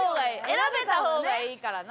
選べた方がいいからな。